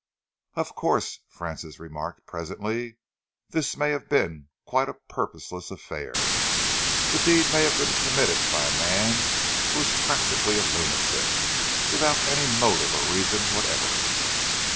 "Of course," Francis remarked presently, "this may have been quite a purposeless affair. The deed may have been committed by a man who was practically a lunatic, without any motive or reason whatever."